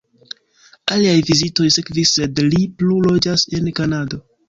Aliaj vizitoj sekvis, sed li plu loĝas en Kanado.